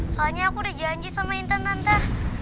soalnya aku udah janji sama intan tante